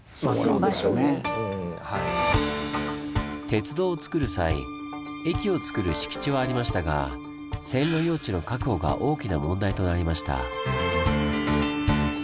鉄道をつくる際駅をつくる敷地はありましたが線路用地の確保が大きな問題となりました。